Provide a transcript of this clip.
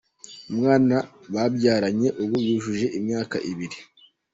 Umwana babyaranye ubu yujuje imyaka ibiri.